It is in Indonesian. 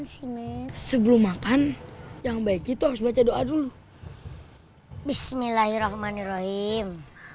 sebuah makan yang baik itu sebesar doa dulu bismillahirrahmanirrahim